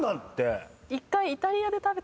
１回。